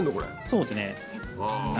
そうですね。